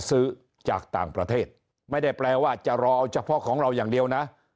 ซื้อจากต่างประเทศไม่ได้แปลว่าจะรอเอาเฉพาะของเราอย่างเดียวนะ